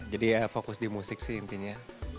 jadi ya fokus di musik sih intinya